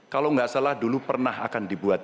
kalau nggak salah dulu pernah akan dibuat